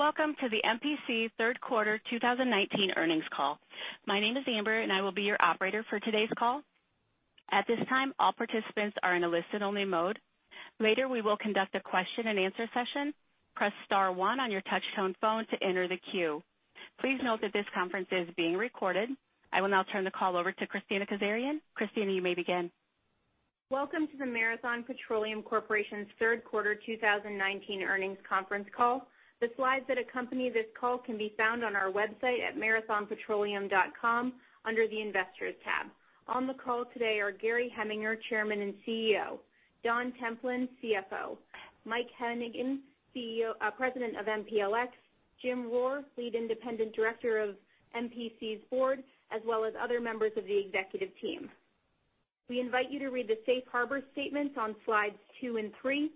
Welcome to the MPC third quarter 2019 earnings call. My name is Amber and I will be your operator for today's call. At this time, all participants are in a listen-only mode. Later, we will conduct a question and answer session. Press star one on your touch tone phone to enter the queue. Please note that this conference is being recorded. I will now turn the call over to Kristina Kazarian. Kristina, you may begin. Welcome to the Marathon Petroleum Corporation's third quarter 2019 earnings conference call. The slides that accompany this call can be found on our website at marathonpetroleum.com under the Investors tab. On the call today are Gary Heminger, Chairman and CEO, Don Templin, CFO, Mike Hennigan, President of MPLX, Jim Rohr, Lead Independent Director of MPC's board, as well as other members of the executive team. We invite you to read the safe harbor statements on slides two and three.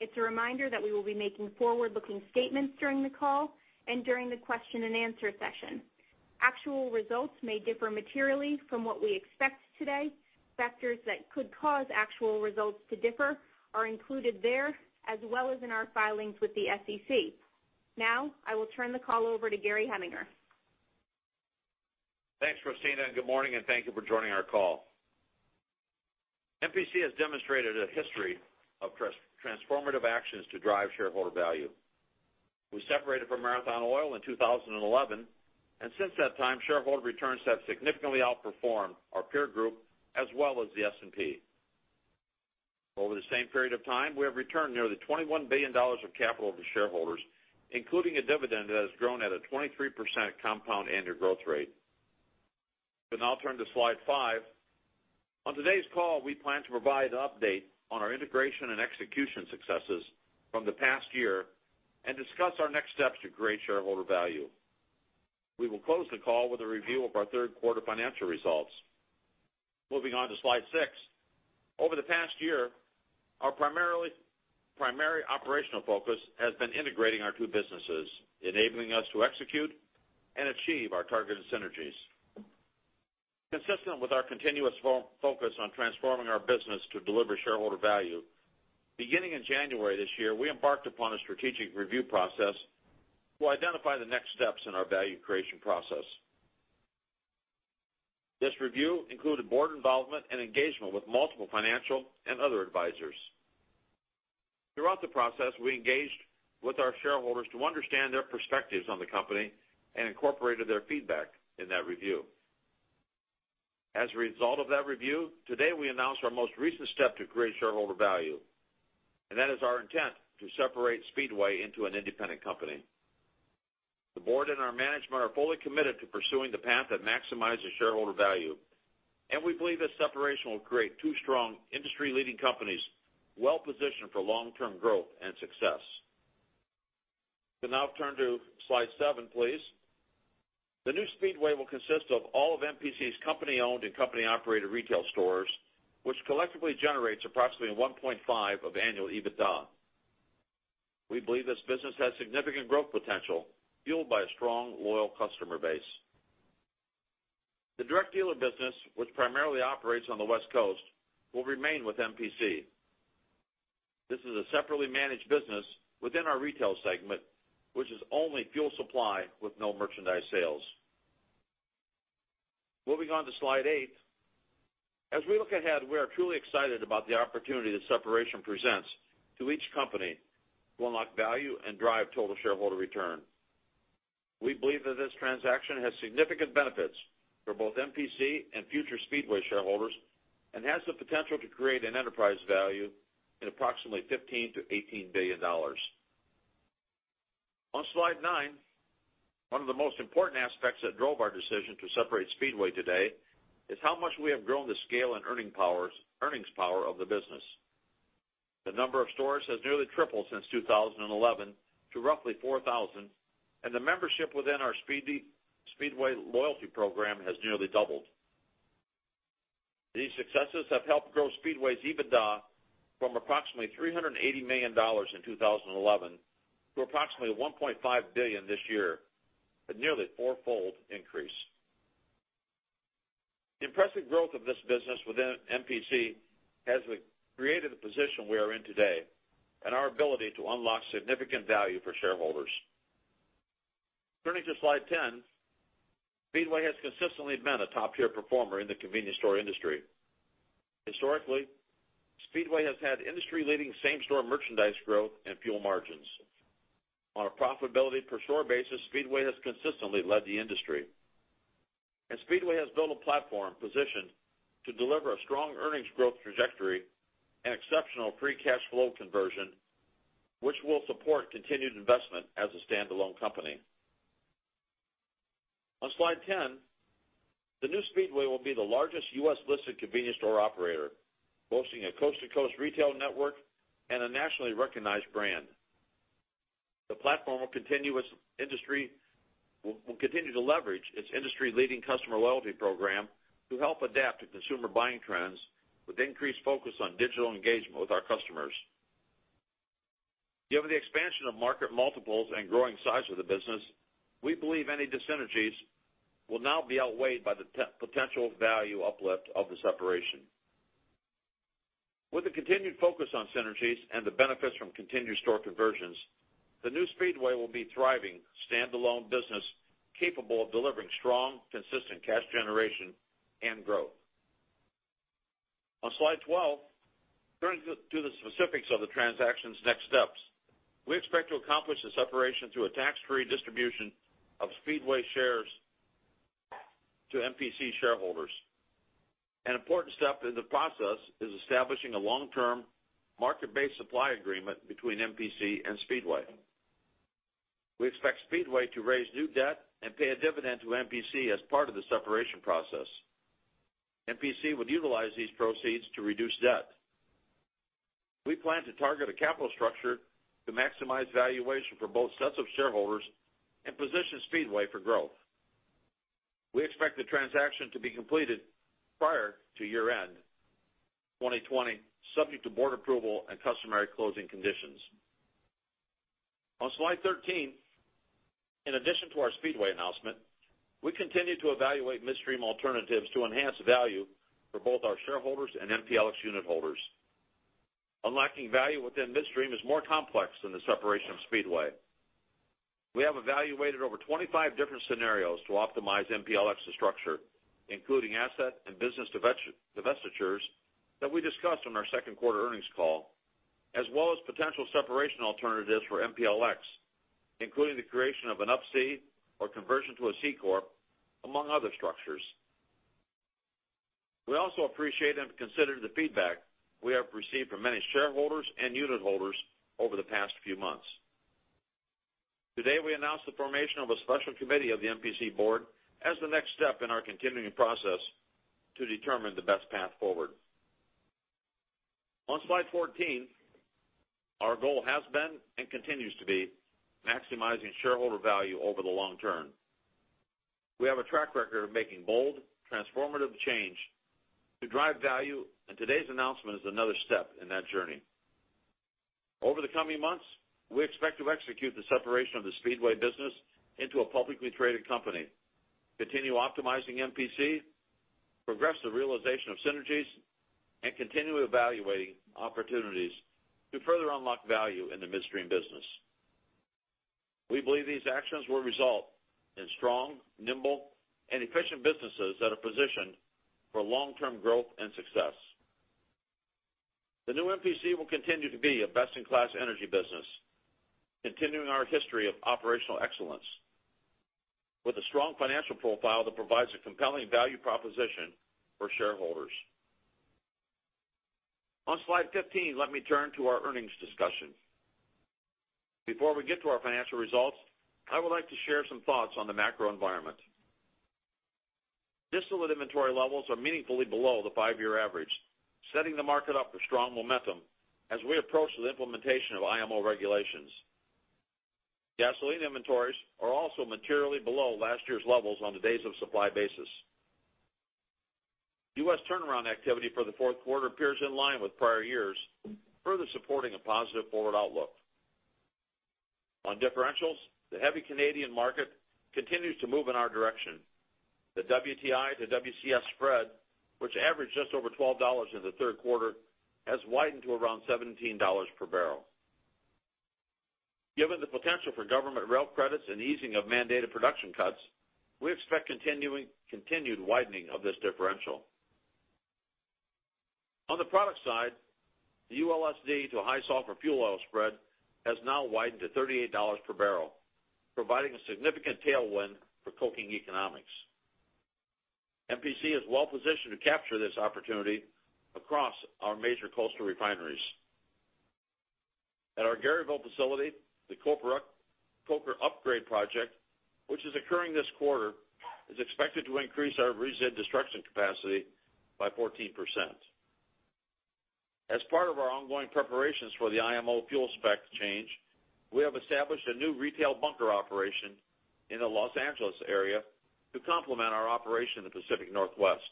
It's a reminder that we will be making forward-looking statements during the call and during the question and answer session. Actual results may differ materially from what we expect today. Factors that could cause actual results to differ are included there, as well as in our filings with the SEC. I will turn the call over to Gary Heminger. Thanks, Kristina, and good morning, and thank you for joining our call. MPC has demonstrated a history of transformative actions to drive shareholder value. We separated from Marathon Oil in 2011, and since that time, shareholder returns have significantly outperformed our peer group as well as the S&P. Over the same period of time, we have returned nearly $21 billion of capital to shareholders, including a dividend that has grown at a 23% compound annual growth rate. You can now turn to slide five. On today's call, we plan to provide an update on our integration and execution successes from the past year and discuss our next steps to create shareholder value. We will close the call with a review of our third quarter financial results. Moving on to slide six. Over the past year, our primary operational focus has been integrating our two businesses, enabling us to execute and achieve our targeted synergies. Consistent with our continuous focus on transforming our business to deliver shareholder value, beginning in January this year, we embarked upon a strategic review process to identify the next steps in our value creation process. This review included board involvement and engagement with multiple financial and other advisors. Throughout the process, we engaged with our shareholders to understand their perspectives on the company and incorporated their feedback in that review. As a result of that review, today we announce our most recent step to create shareholder value, and that is our intent to separate Speedway into an independent company. The board and our management are fully committed to pursuing the path that maximizes shareholder value, and we believe that separation will create two strong industry-leading companies well positioned for long-term growth and success. You can now turn to slide seven, please. The new Speedway will consist of all of MPC's company-owned and company-operated retail stores, which collectively generates approximately $1.5 of annual EBITDA. We believe this business has significant growth potential, fueled by a strong, loyal customer base. The direct dealer business, which primarily operates on the West Coast, will remain with MPC. This is a separately managed business within our retail segment, which is only fuel supply with no merchandise sales. Moving on to slide eight. As we look ahead, we are truly excited about the opportunity that separation presents to each company to unlock value and drive total shareholder return. We believe that this transaction has significant benefits for both MPC and future Speedway shareholders and has the potential to create an enterprise value in approximately $15 billion-$18 billion. On slide nine, one of the most important aspects that drove our decision to separate Speedway today is how much we have grown the scale and earnings power of the business. The number of stores has nearly tripled since 2011 to roughly 4,000, and the membership within our Speedway loyalty program has nearly doubled. These successes have helped grow Speedway's EBITDA from approximately $380 million in 2011 to approximately $1.5 billion this year, a nearly fourfold increase. The impressive growth of this business within MPC has created the position we are in today and our ability to unlock significant value for shareholders. Turning to slide 10, Speedway has consistently been a top-tier performer in the convenience store industry. Historically, Speedway has had industry-leading same-store merchandise growth and fuel margins. On a profitability per store basis, Speedway has consistently led the industry. Speedway has built a platform positioned to deliver a strong earnings growth trajectory and exceptional free cash flow conversion, which will support continued investment as a standalone company. On slide 10, the new Speedway will be the largest US-listed convenience store operator, boasting a coast-to-coast retail network and a nationally recognized brand. The platform will continue to leverage its industry-leading customer loyalty program to help adapt to consumer buying trends with increased focus on digital engagement with our customers. Given the expansion of market multiples and growing size of the business, we believe any dis-synergies will now be outweighed by the potential value uplift of the separation. With the continued focus on synergies and the benefits from continued store conversions, the new Speedway will be thriving standalone business capable of delivering strong, consistent cash generation and growth. On slide 12, turning to the specifics of the transaction's next steps. We expect to accomplish the separation through a tax-free distribution of Speedway shares to MPC shareholders. An important step in the process is establishing a long-term market-based supply agreement between MPC and Speedway. We expect Speedway to raise new debt and pay a dividend to MPC as part of the separation process. MPC would utilize these proceeds to reduce debt. We plan to target a capital structure to maximize valuation for both sets of shareholders and position Speedway for growth. We expect the transaction to be completed prior to year-end 2020, subject to board approval and customary closing conditions. On slide 13, in addition to our Speedway announcement, we continue to evaluate midstream alternatives to enhance value for both our shareholders and MPLX unitholders. Unlocking value within midstream is more complex than the separation of Speedway. We have evaluated over 25 different scenarios to optimize MPLX's structure, including asset and business divestitures that we discussed on our second quarter earnings call, as well as potential separation alternatives for MPLX, including the creation of an Up-C or conversion to a C corp, among other structures. We also appreciate and have considered the feedback we have received from many shareholders and unitholders over the past few months. Today, we announced the formation of a special committee of the MPC board as the next step in our continuing process to determine the best path forward. On slide 14, our goal has been and continues to be maximizing shareholder value over the long term. We have a track record of making bold, transformative change to drive value, and today's announcement is another step in that journey. Over the coming months, we expect to execute the separation of the Speedway business into a publicly traded company, continue optimizing MPC, progress the realization of synergies, and continue evaluating opportunities to further unlock value in the midstream business. We believe these actions will result in strong, nimble, and efficient businesses that are positioned for long-term growth and success. The new MPC will continue to be a best-in-class energy business, continuing our history of operational excellence with a strong financial profile that provides a compelling value proposition for shareholders. On slide 15, let me turn to our earnings discussion. Before we get to our financial results, I would like to share some thoughts on the macro environment. Distillate inventory levels are meaningfully below the five-year average, setting the market up for strong momentum as we approach the implementation of IMO regulations. Gasoline inventories are also materially below last year's levels on the days of supply basis. U.S. turnaround activity for the fourth quarter appears in line with prior years, further supporting a positive forward outlook. On differentials, the heavy Canadian market continues to move in our direction. The WTI to WCS spread, which averaged just over $12 in the third quarter, has widened to around $17 per barrel. Given the potential for government rail credits and easing of mandated production cuts, we expect continued widening of this differential. On the product side, the ULSD to high sulfur fuel oil spread has now widened to $38 per barrel, providing a significant tailwind for coking economics. MPC is well positioned to capture this opportunity across our major coastal refineries. At our Garyville facility, the coker upgrade project, which is occurring this quarter, is expected to increase our resid destruction capacity by 14%. As part of our ongoing preparations for the IMO fuel spec change, we have established a new retail bunker operation in the Los Angeles area to complement our operation in the Pacific Northwest.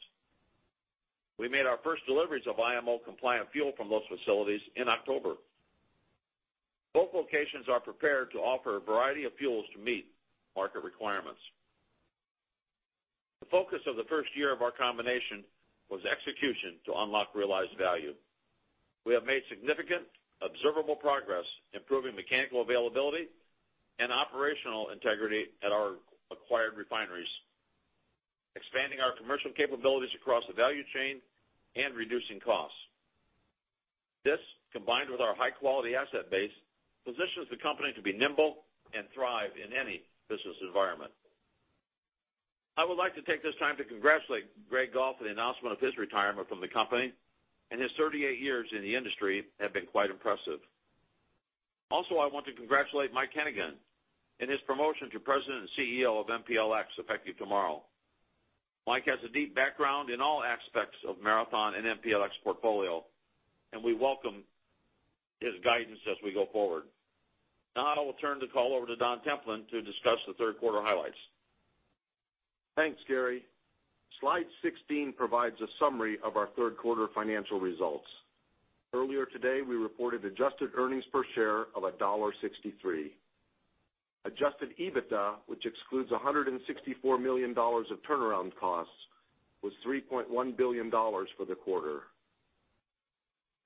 We made our first deliveries of IMO compliant fuel from those facilities in October. Both locations are prepared to offer a variety of fuels to meet market requirements. The focus of the first year of our combination was execution to unlock realized value. We have made significant observable progress improving mechanical availability and operational integrity at our acquired refineries, expanding our commercial capabilities across the value chain and reducing costs. This, combined with our high-quality asset base, positions the company to be nimble and thrive in any business environment. I would like to take this time to congratulate Greg Goff for the announcement of his retirement from the company, and his 38 years in the industry have been quite impressive. Also, I want to congratulate Mike Hennigan in his promotion to President and CEO of MPLX effective tomorrow. Mike has a deep background in all aspects of Marathon and MPLX portfolio, and we welcome his guidance as we go forward. Now I will turn the call over to Don Templin to discuss the third quarter highlights. Thanks, Gary. Slide 16 provides a summary of our third quarter financial results. Earlier today, we reported adjusted earnings per share of $1.63. Adjusted EBITDA, which excludes $164 million of turnaround costs, was $3.1 billion for the quarter.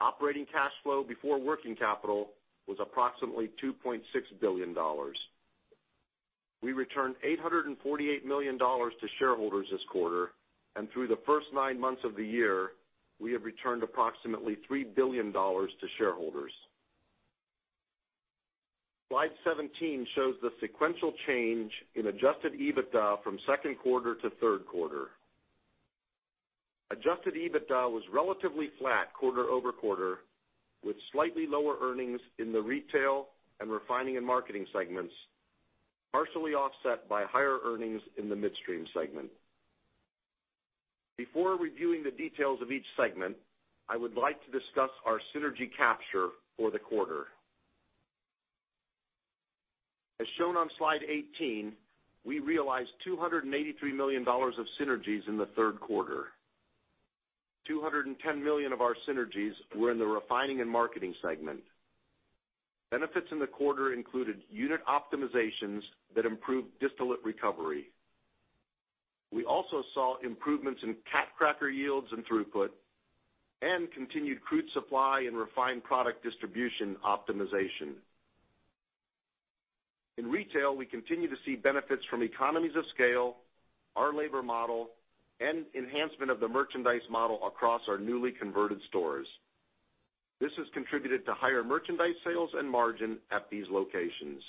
Operating cash flow before working capital was approximately $2.6 billion. We returned $848 million to shareholders this quarter, and through the first nine months of the year, we have returned approximately $3 billion to shareholders. Slide 17 shows the sequential change in adjusted EBITDA from second quarter to third quarter. Adjusted EBITDA was relatively flat quarter-over-quarter, with slightly lower earnings in the retail and refining and marketing segments, partially offset by higher earnings in the midstream segment. Before reviewing the details of each segment, I would like to discuss our synergy capture for the quarter. As shown on slide 18, we realized $283 million of synergies in the third quarter. $210 million of our synergies were in the Refining and Marketing segment. Benefits in the quarter included unit optimizations that improved distillate recovery. We also saw improvements in cat cracker yields and throughput and continued crude supply and refined product distribution optimization. In Retail, we continue to see benefits from economies of scale, our labor model, and enhancement of the merchandise model across our newly converted stores. This has contributed to higher merchandise sales and margin at these locations.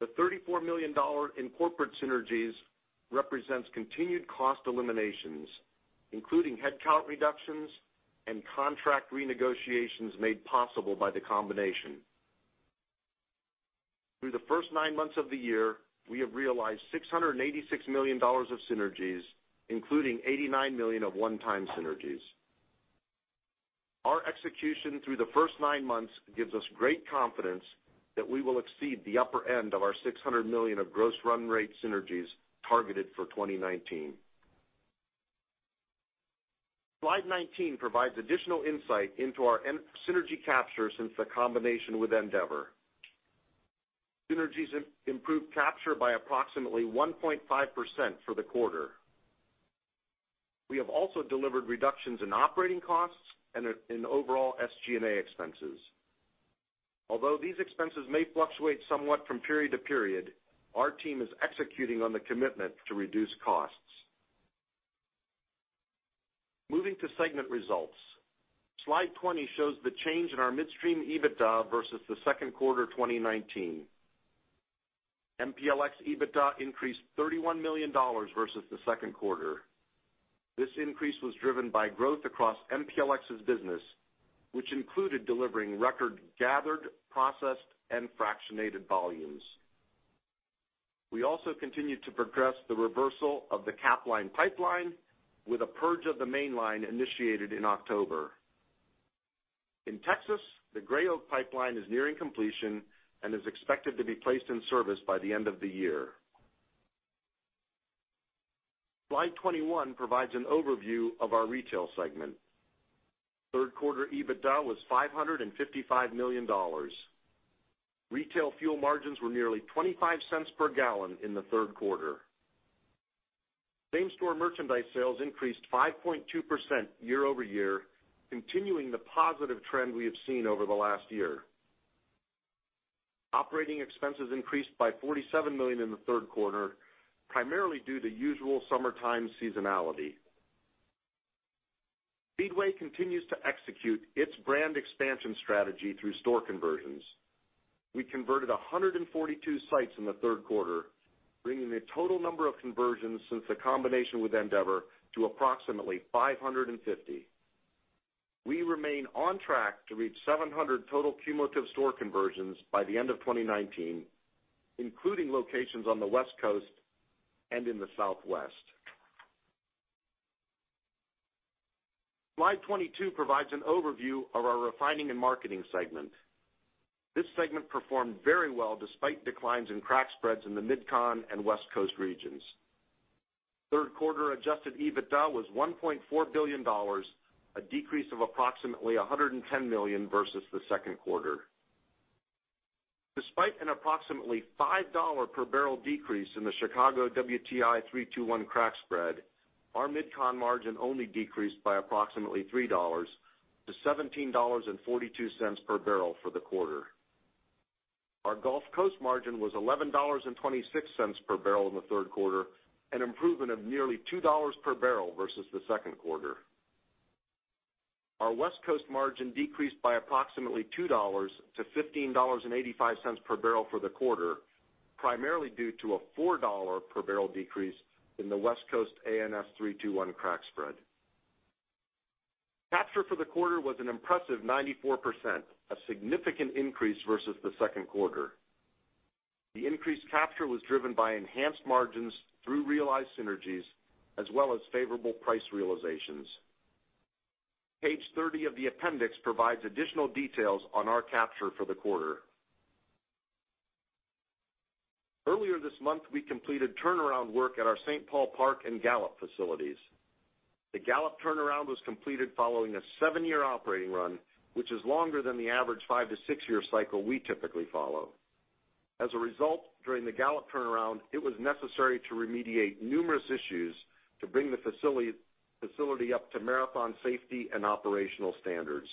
The $34 million in Corporate synergies represents continued cost eliminations, including headcount reductions and contract renegotiations made possible by the combination. Through the first nine months of the year, we have realized $686 million of synergies, including $89 million of one-time synergies. Our execution through the first nine months gives us great confidence that we will exceed the upper end of our $600 million of gross run rate synergies targeted for 2019. Slide 19 provides additional insight into our synergy capture since the combination with Andeavor. Synergies improved capture by approximately 1.5% for the quarter. We have also delivered reductions in operating costs and in overall SG&A expenses. Although these expenses may fluctuate somewhat from period to period, our team is executing on the commitment to reduce costs. Moving to segment results. Slide 20 shows the change in our midstream EBITDA versus the second quarter 2019. MPLX EBITDA increased $31 million versus the second quarter. This increase was driven by growth across MPLX's business, which included delivering record gathered, processed, and fractionated volumes. We also continued to progress the reversal of the Capline pipeline with a purge of the mainline initiated in October. In Texas, the Gray Oak pipeline is nearing completion and is expected to be placed in service by the end of the year. Slide 21 provides an overview of our retail segment. Third quarter EBITDA was $555 million. Retail fuel margins were nearly $0.25 per gallon in the third quarter. Same-store merchandise sales increased 5.2% year-over-year, continuing the positive trend we have seen over the last year. Operating expenses increased by $47 million in the third quarter, primarily due to usual summertime seasonality. Speedway continues to execute its brand expansion strategy through store conversions. We converted 142 sites in the third quarter, bringing the total number of conversions since the combination with Andeavor to approximately 550. We remain on track to reach 700 total cumulative store conversions by the end of 2019, including locations on the West Coast and in the Southwest. Slide 22 provides an overview of our Refining and Marketing segment. This segment performed very well despite declines in crack spreads in the MidCon and West Coast regions. Third quarter adjusted EBITDA was $1.4 billion, a decrease of approximately $110 million versus the second quarter. Despite an approximately $5 per barrel decrease in the Chicago WTI 3-2-1 crack spread, our MidCon margin only decreased by approximately $3 to $17.42 per barrel for the quarter. Our Gulf Coast margin was $11.26 per barrel in the third quarter, an improvement of nearly $2 per barrel versus the second quarter. Our West Coast margin decreased by approximately $2 to $15.85 per barrel for the quarter, primarily due to a $4 per barrel decrease in the West Coast ANS 3-2-1 crack spread. Capture for the quarter was an impressive 94%, a significant increase versus the second quarter. The increased capture was driven by enhanced margins through realized synergies as well as favorable price realizations. Page 30 of the appendix provides additional details on our capture for the quarter. Earlier this month, we completed turnaround work at our St. Paul Park and Gallup facilities. The Gallup turnaround was completed following a 7-year operating run, which is longer than the average 5-6-year cycle we typically follow. As a result, during the Gallup turnaround, it was necessary to remediate numerous issues to bring the facility up to Marathon safety and operational standards.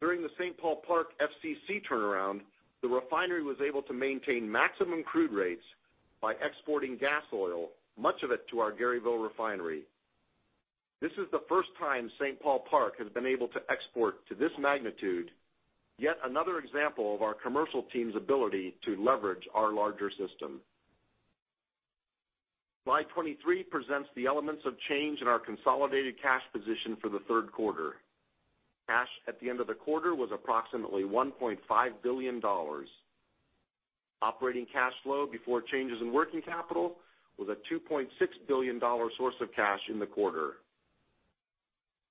During the St. Paul Park FCC turnaround, the refinery was able to maintain maximum crude rates by exporting gas oil, much of it to our Garyville refinery. This is the first time St. Paul Park has been able to export to this magnitude, yet another example of our commercial team's ability to leverage our larger system. Slide 23 presents the elements of change in our consolidated cash position for the third quarter. Cash at the end of the quarter was approximately $1.5 billion. Operating cash flow before changes in working capital was a $2.6 billion source of cash in the quarter.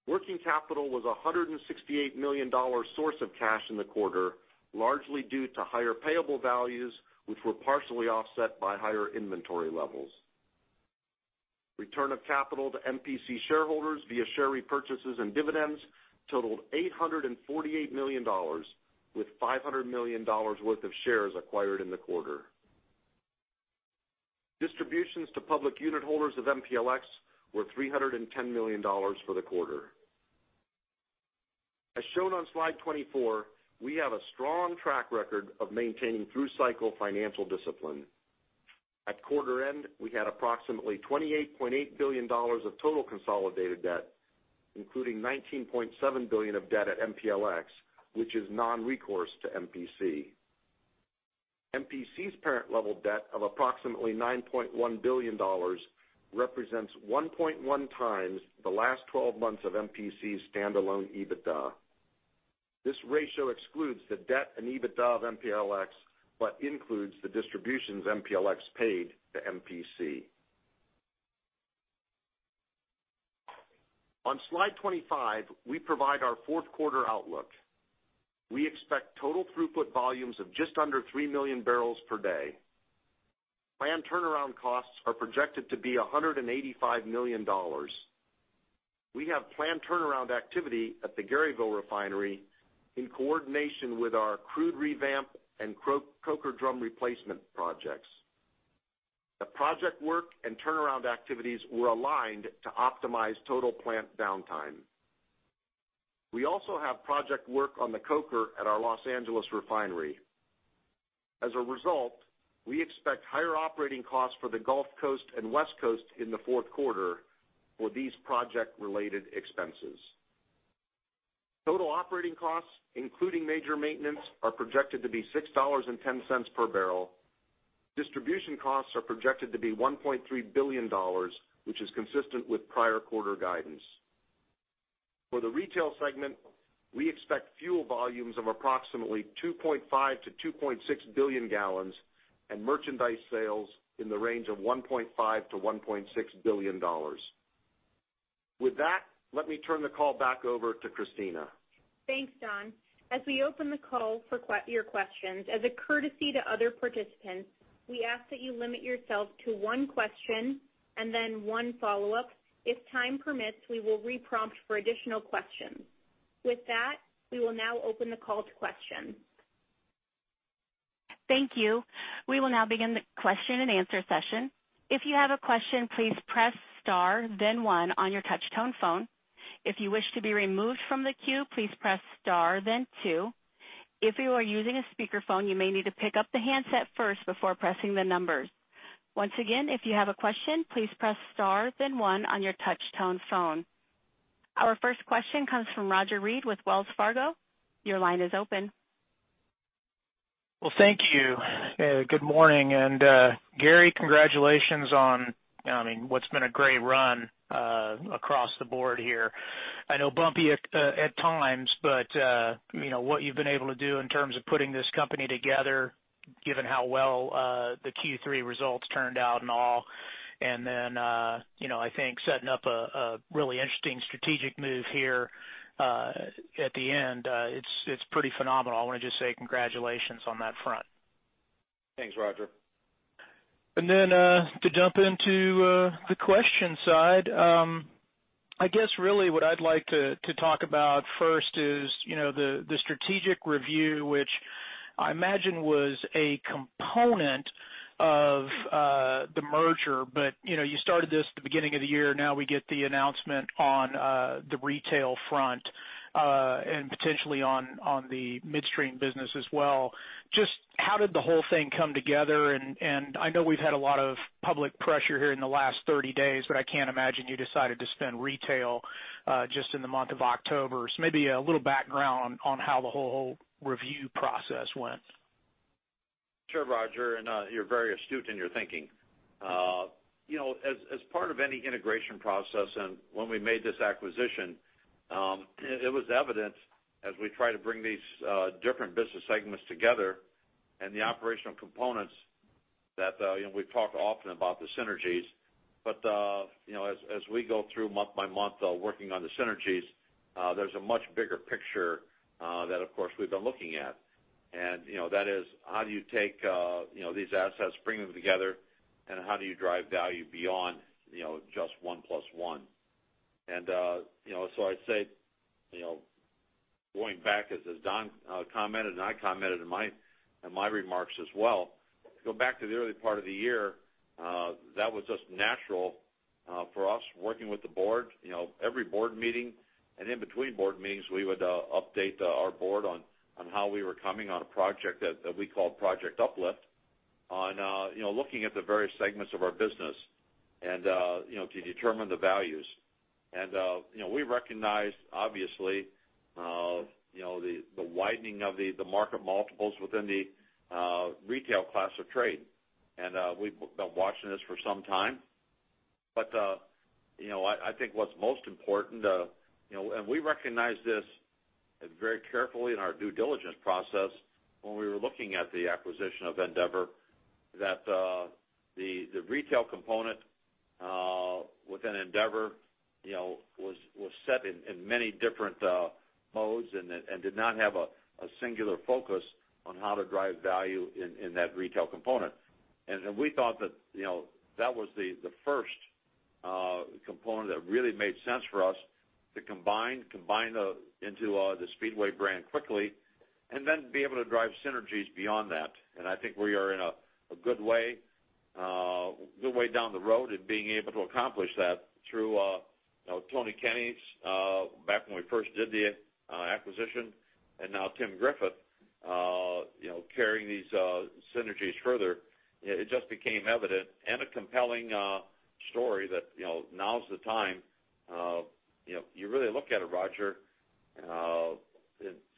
Working capital was $168 million source of cash in the quarter, largely due to higher payable values, which were partially offset by higher inventory levels. Return of capital to MPC shareholders via share repurchases and dividends totaled $848 million, with $500 million worth of shares acquired in the quarter. Distributions to public unit holders of MPLX were $310 million for the quarter. As shown on slide 24, we have a strong track record of maintaining through-cycle financial discipline. At quarter end, we had approximately $28.8 billion of total consolidated debt, including $19.7 billion of debt at MPLX, which is non-recourse to MPC. MPC's parent level debt of approximately $9.1 billion represents 1.1 times the last 12 months of MPC's standalone EBITDA. This ratio excludes the debt and EBITDA of MPLX but includes the distributions MPLX paid to MPC. On slide 25, we provide our fourth quarter outlook. We expect total throughput volumes of just under three million barrels per day. Planned turnaround costs are projected to be $185 million. We have planned turnaround activity at the Garyville refinery in coordination with our crude revamp and coker drum replacement projects. The project work and turnaround activities were aligned to optimize total plant downtime. We also have project work on the coker at our Los Angeles refinery. As a result, we expect higher operating costs for the Gulf Coast and West Coast in the fourth quarter for these project-related expenses. Total operating costs, including major maintenance, are projected to be $6.10 per barrel. Distribution costs are projected to be $1.3 billion, which is consistent with prior quarter guidance. For the retail segment, we expect fuel volumes of approximately 2.5 billion gallons-2.6 billion gallons, and merchandise sales in the range of $1.5 billion-$1.6 billion. With that, let me turn the call back over to Kristina. Thanks, Don. As we open the call for your questions, as a courtesy to other participants, we ask that you limit yourself to one question and then one follow-up. If time permits, we will re-prompt for additional questions. With that, we will now open the call to questions. Thank you. We will now begin the question and answer session. If you have a question, please press star then one on your touch-tone phone. If you wish to be removed from the queue, please press star then two. If you are using a speakerphone, you may need to pick up the handset first before pressing the numbers. Once again, if you have a question, please press star then one on your touch-tone phone. Our first question comes from Roger Read with Wells Fargo. Your line is open. Well, thank you. Good morning. Gary, congratulations on what's been a great run across the board here. I know bumpy at times, but what you've been able to do in terms of putting this company together, given how well the Q3 results turned out and all, I think setting up a really interesting strategic move here at the end, it's pretty phenomenal. I want to just say congratulations on that front. Thanks, Roger. To jump into the question side, I guess really what I'd like to talk about first is the strategic review, which I imagine was a component of the merger. You started this at the beginning of the year. Now we get the announcement on the retail front, and potentially on the midstream business as well. Just how did the whole thing come together? I know we've had a lot of public pressure here in the last 30 days, but I can't imagine you decided to spin retail just in the month of October. Maybe a little background on how the whole review process went. Sure, Roger. You're very astute in your thinking. As part of any integration process, and when we made this acquisition, it was evident as we try to bring these different business segments together and the operational components That we've talked often about the synergies, but as we go through month by month working on the synergies, there's a much bigger picture that of course, we've been looking at. That is how do you take these assets, bring them together, and how do you drive value beyond just one plus one? I'd say, going back, as Don commented and I commented in my remarks as well, go back to the early part of the year, that was just natural for us working with the board. Every board meeting and in between board meetings, we would update our board on how we were coming on a project that we called Project Uplift on looking at the various segments of our business and to determine the values. We recognized, obviously, the widening of the market multiples within the retail class of trade. We've been watching this for some time. I think what's most important, and we recognized this very carefully in our due diligence process when we were looking at the acquisition of Andeavor, that the retail component within Andeavor was set in many different modes and did not have a singular focus on how to drive value in that retail component. We thought that that was the first component that really made sense for us to combine into the Speedway brand quickly and then be able to drive synergies beyond that. I think we are in a good way, down the road in being able to accomplish that through Tony Kenney's back when we first did the acquisition, and now Tim Griffith carrying these synergies further. It just became evident and a compelling story that now's the time. You really look at it, Roger.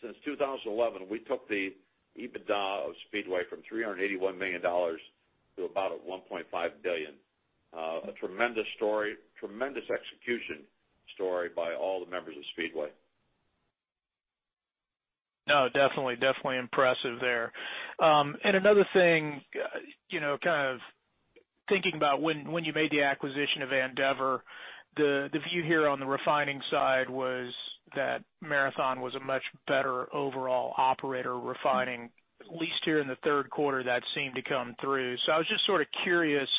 Since 2011, we took the EBITDA of Speedway from $381 million to about $1.5 billion. A tremendous story, tremendous execution story by all the members of Speedway. No, definitely impressive there. Another thing, kind of thinking about when you made the acquisition of Andeavor, the view here on the refining side was that Marathon was a much better overall operator refining. At least here in the third quarter, that seemed to come through. I was just sort of curious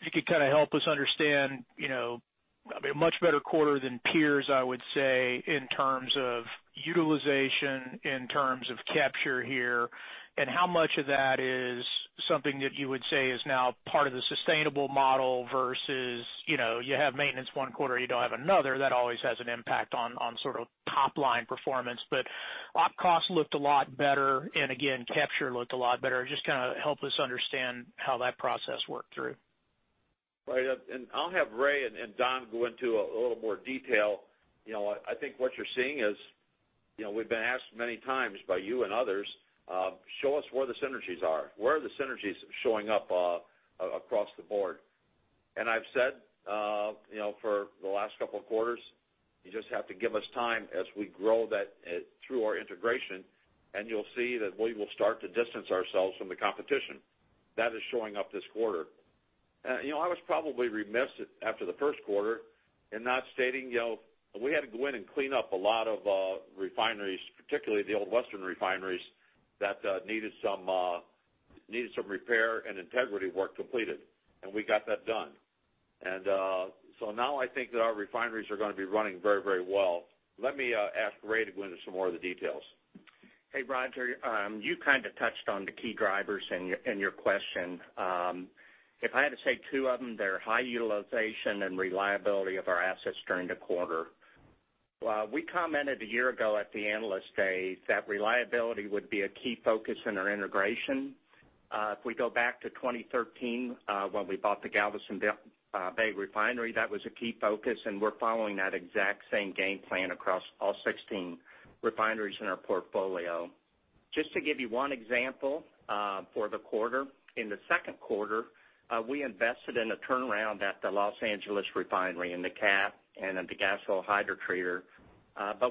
if you could kind of help us understand, a much better quarter than peers, I would say, in terms of utilization, in terms of capture here, and how much of that is something that you would say is now part of the sustainable model versus you have maintenance one quarter you don't have another, that always has an impact on sort of top-line performance. Op cost looked a lot better and again, capture looked a lot better. Just kind of help us understand how that process worked through. Right. I'll have Ray and Don go into a little more detail. I think what you're seeing is we've been asked many times by you and others, show us where the synergies are. Where are the synergies showing up across the board? I've said for the last couple of quarters, you just have to give us time as we grow that through our integration, and you'll see that we will start to distance ourselves from the competition. That is showing up this quarter. I was probably remiss after the first quarter in not stating we had to go in and clean up a lot of refineries, particularly the old Western refineries, that needed some repair and integrity work completed, and we got that done. Now I think that our refineries are going to be running very well. Let me ask Ray to go into some more of the details. Hey, Roger. You kind of touched on the key drivers in your question. If I had to say two of them, they're high utilization and reliability of our assets during the quarter. We commented a year ago at the Analyst Day that reliability would be a key focus in our integration. If we go back to 2013 when we bought the Galveston Bay refinery, that was a key focus, and we're following that exact same game plan across all 16 refineries in our portfolio. Just to give you one example for the quarter, in the second quarter, we invested in a turnaround at the Los Angeles refinery in the cat and in the gasoline hydrotreater.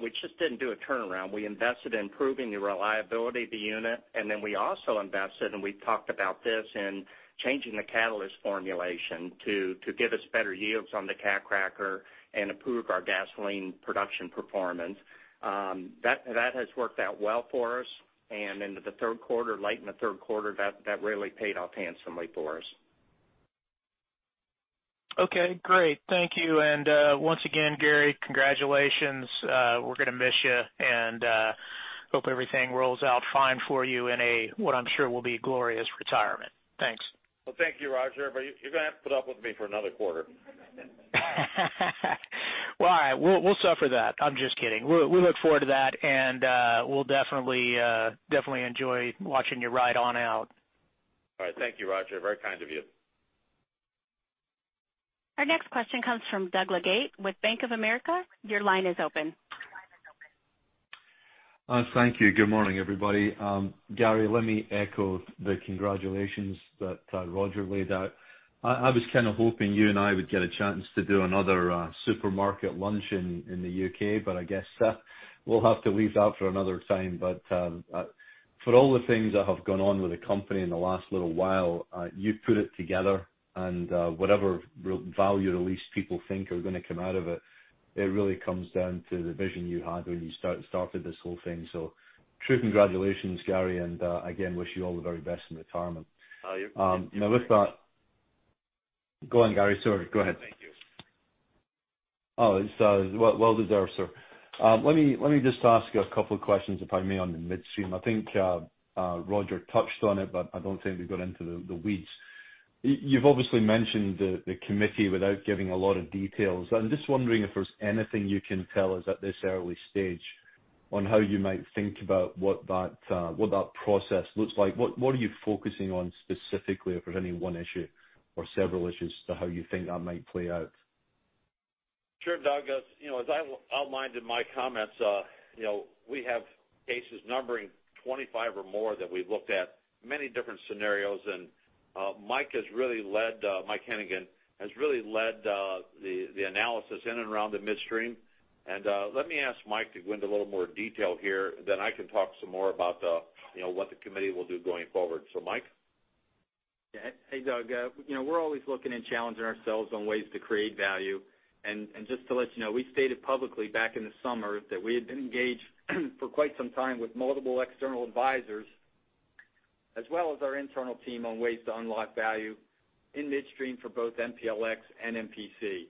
We just didn't do a turnaround. We invested in improving the reliability of the unit, and then we also invested, and we've talked about this, in changing the catalyst formulation to give us better yields on the cat cracker and improve our gasoline production performance. That has worked out well for us. Into the third quarter, late in the third quarter, that really paid off handsomely for us. Okay, great. Thank you. Once again, Gary, congratulations. We're going to miss you and hope everything rolls out fine for you in a, what I'm sure will be a glorious retirement. Thanks. Well, thank you, Roger, but you're going to have to put up with me for another quarter. Well, all right. We'll suffer that. I'm just kidding. We look forward to that, and we'll definitely enjoy watching you ride on out. All right. Thank you, Roger. Very kind of you. Our next question comes from Douglas Leggate with Bank of America. Your line is open. Thank you. Good morning, everybody. Gary, let me echo the congratulations that Roger laid out. I was kind of hoping you and I would get a chance to do another supermarket lunch in the U.K., I guess we'll have to leave that for another time. For all the things that have gone on with the company in the last little while, you've put it together and whatever real value or release people think are going to come out of it really comes down to the vision you had when you started this whole thing. True congratulations, Gary, and again, wish you all the very best in retirement. Oh, you too. Now Go on, Gary, sorry. Go ahead. Thank you. It's well deserved, sir. Let me just ask you a couple of questions, if I may, on the midstream. I think Roger touched on it, but I don't think we got into the weeds. You've obviously mentioned the committee without giving a lot of details. I'm just wondering if there's anything you can tell us at this early stage on how you might think about what that process looks like. What are you focusing on specifically if there's any one issue or several issues to how you think that might play out? Sure, Doug. As I outlined in my comments, we have cases numbering 25 or more that we've looked at many different scenarios and Mike Hennigan has really led the analysis in and around the midstream. Let me ask Mike to go into a little more detail here, then I can talk some more about what the committee will do going forward. Mike? Yeah. Hey, Doug. We're always looking and challenging ourselves on ways to create value. Just to let you know, we stated publicly back in the summer that we had been engaged for quite some time with multiple external advisors, as well as our internal team on ways to unlock value in midstream for both MPLX and MPC.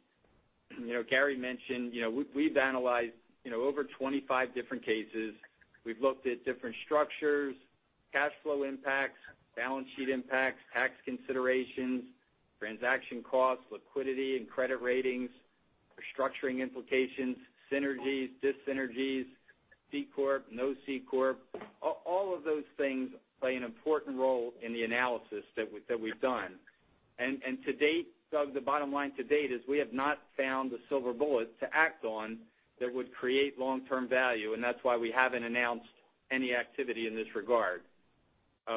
Gary mentioned, we've analyzed over 25 different cases. We've looked at different structures, cash flow impacts, balance sheet impacts, tax considerations, transaction costs, liquidity and credit ratings, restructuring implications, synergies, dis-synergies, C corp, no C corp. All of those things play an important role in the analysis that we've done. To date, Doug, the bottom line to date is we have not found the silver bullet to act on that would create long-term value, and that's why we haven't announced any activity in this regard.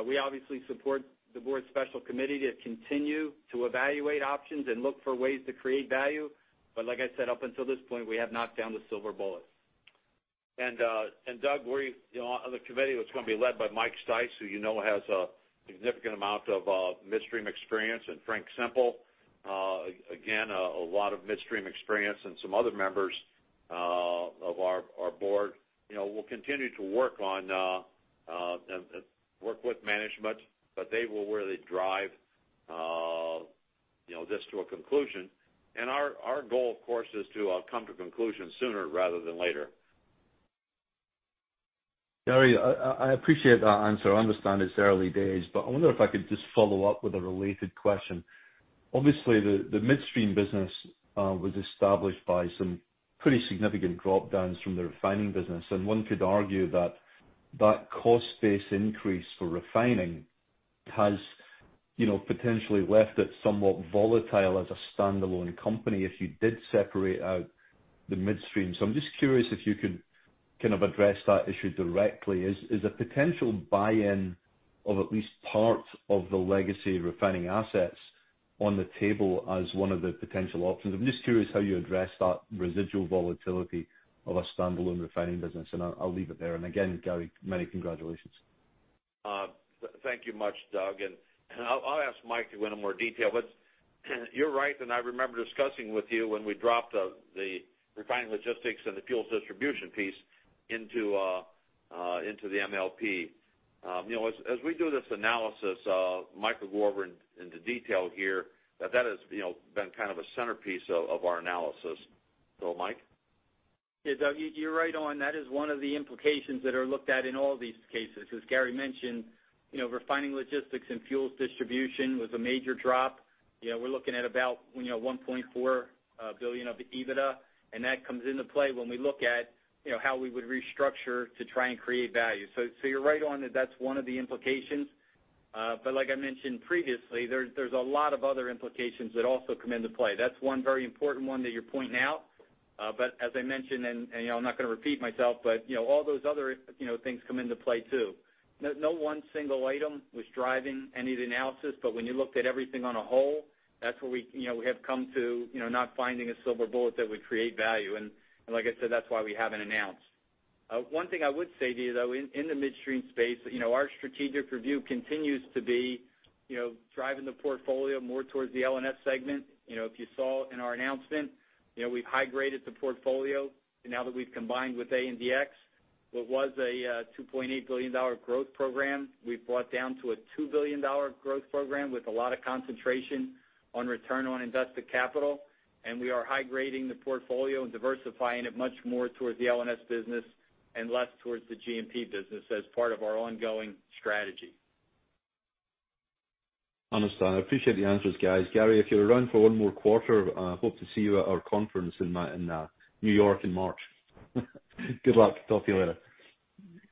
We obviously support the board special committee to continue to evaluate options and look for ways to create value. Like I said, up until this point, we have not found the silver bullet. Doug, we on the committee that's going to be led by Mike Stice, who you know has a significant amount of midstream experience, and Frank Semple, again, a lot of midstream experience, and some other members of our Board, will continue to work with management, and they will really drive this to a conclusion. Our goal, of course, is to come to conclusion sooner rather than later. Gary, I appreciate that answer. I understand it's early days. I wonder if I could just follow up with a related question. Obviously, the midstream business was established by some pretty significant drop-downs from the refining business. One could argue that that cost base increase for refining has potentially left it somewhat volatile as a standalone company if you did separate out the midstream. I'm just curious if you could kind of address that issue directly. Is a potential buy-in of at least part of the legacy refining assets on the table as one of the potential options? I'm just curious how you address that residual volatility of a standalone refining business. I'll leave it there. Again, Gary, many congratulations. Thank you much, Doug, and I'll ask Mike to go into more detail. You're right, and I remember discussing with you when we dropped the refining logistics and the fuels distribution piece into the MLP. As we do this analysis, Mike will go over into detail here, that has been kind of a centerpiece of our analysis. Mike? Yeah, Doug, you're right on. That is one of the implications that are looked at in all these cases. As Gary mentioned, refining logistics and fuels distribution was a major drop. We're looking at about $1.4 billion of EBITDA. That comes into play when we look at how we would restructure to try and create value. You're right on that that's one of the implications. Like I mentioned previously, there's a lot of other implications that also come into play. That's one very important one that you're pointing out. As I mentioned, I'm not going to repeat myself, but all those other things come into play, too. No one single item was driving any of the analysis, but when you looked at everything on a whole, that's where we have come to not finding a silver bullet that would create value. Like I said, that's why we haven't announced. One thing I would say to you, though, in the midstream space, our strategic review continues to be driving the portfolio more towards the L&S segment. If you saw in our announcement, we've high-graded the portfolio, and now that we've combined with ANDX, what was a $2.8 billion growth program, we've brought down to a $2 billion growth program with a lot of concentration on return on invested capital. We are high-grading the portfolio and diversifying it much more towards the L&S business and less towards the G&P business as part of our ongoing strategy. Understood. I appreciate the answers, guys. Gary, if you're around for one more quarter, I hope to see you at our conference in New York in March. Good luck. Talk to you later.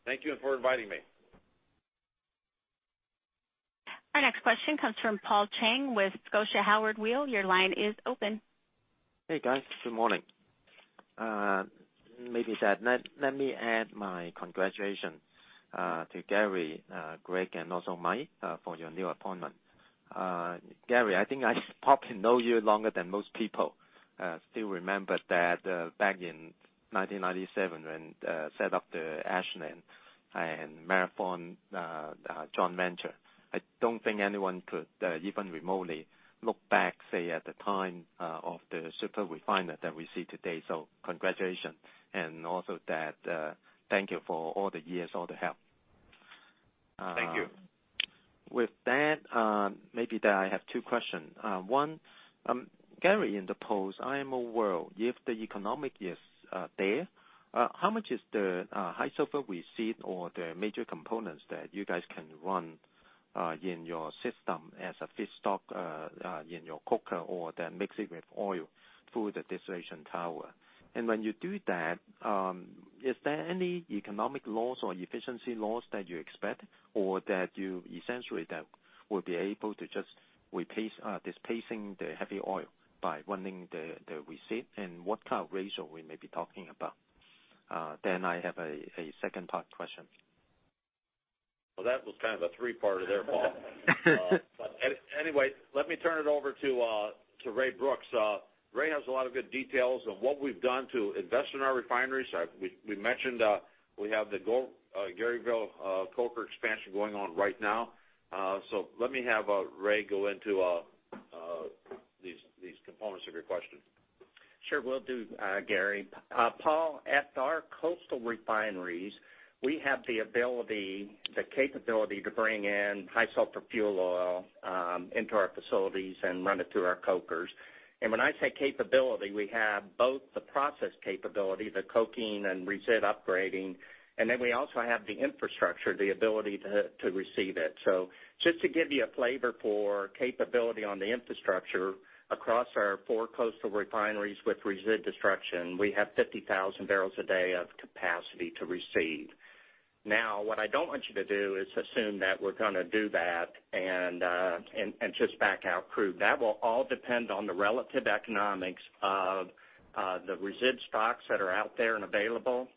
Thank you, and for inviting me. Next question comes from Paul Cheng with Scotiabank Howard Weil. Your line is open. Hey, guys. Good morning. Maybe let me add my congratulations to Gary, Greg, and also Mike for your new appointment. Gary, I think I probably know you longer than most people. Still remember that back in 1997 when set up the Ashland and Marathon joint venture. I don't think anyone could even remotely look back, say, at the time of the super refiner that we see today. Congratulations, and also thank you for all the years, all the help. Thank you. With that, maybe I have two questions. One, Gary, in the post-IMO world, if the economic is there, how much is the high sulfur resid or the major components that you guys can run in your system as a feedstock in your coker or then mix it with oil through the distillation tower? When you do that, is there any economic loss or efficiency loss that you expect or that you essentially will be able to just displacing the heavy oil by running the resid, and what kind of ratio we may be talking about? I have a second part question. Well, that was kind of a three-parter there, Paul. Anyway, let me turn it over to Ray Brooks. Ray has a lot of good details on what we've done to invest in our refineries. We mentioned we have the Garyville coker expansion going on right now. Let me have Ray go into these components of your question. Sure. Will do, Gary. Paul, at our coastal refineries, we have the ability, the capability to bring in high sulfur fuel oil into our facilities and run it through our cokers. When I say capability, we have both the process capability, the coking and resid upgrading, we also have the infrastructure, the ability to receive it. Just to give you a flavor for capability on the infrastructure across our four coastal refineries with resid destruction, we have 50,000 barrels a day of capacity to receive. What I don't want you to do is assume that we're going to do that and just back out crude. That will all depend on the relative economics of the resid stocks that are out there and available,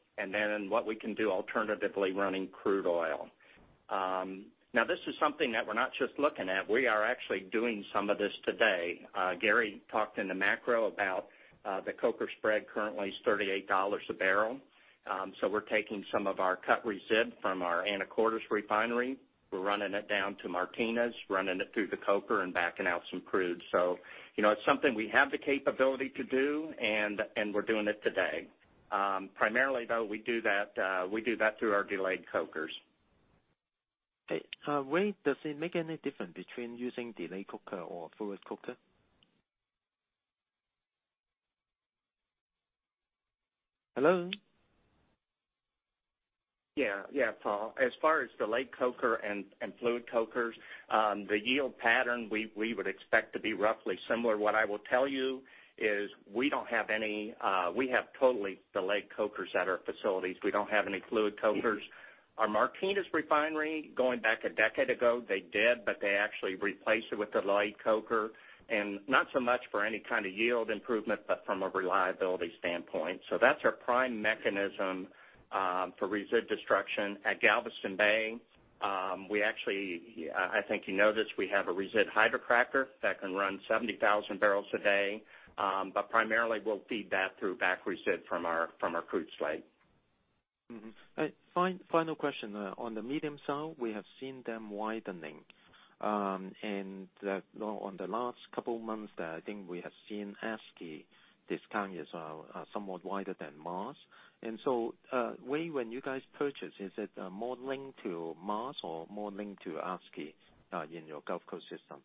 what we can do alternatively running crude oil. This is something that we're not just looking at. We are actually doing some of this today. Gary talked in the macro about the coker spread currently is $38 a barrel. We're taking some of our cut resid from our Anacortes refinery. We're running it down to Martinez, running it through the coker, and backing out some crude. It's something we have the capability to do, and we're doing it today. Primarily, though, we do that through our delayed cokers. Okay. Ray, does it make any difference between using delayed coker or fluid coker? Hello? Paul, as far as delayed coker and fluid cokers, the yield pattern we would expect to be roughly similar. What I will tell you is we have totally delayed cokers at our facilities. We don't have any fluid cokers. Our Martinez refinery, going back a decade ago, they did, but they actually replaced it with a delayed coker, not so much for any kind of yield improvement, but from a reliability standpoint. That's our prime mechanism for resid destruction. At Galveston Bay, we actually, I think you know this, we have a resid hydrocracker that can run 70,000 barrels a day. Primarily we'll feed that through back resid from our crude slate. Final question. On the medium sour, we have seen them widening. On the last couple months, I think we have seen ASCI discount is somewhat wider than Mars. Ray, when you guys purchase, is it more linked to Mars or more linked to ASCI in your Gulf Coast system?